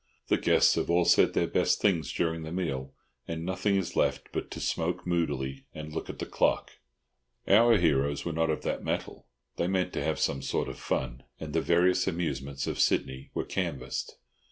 The guests have all said their best things during the meal, and nothing is left but to smoke moodily and look at the clock. Our heroes were not of that mettle. They meant to have some sort of fun, and the various amusements of Sydney were canvassed.